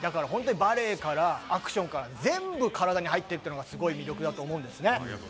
バレエからアクションから、すべて体に入っているのがすごい魅力だと思いますね。